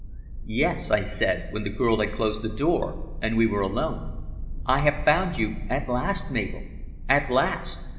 "Yes," I said, when the girl had closed the door and we were alone, "I have found you at last, Mabel at last!"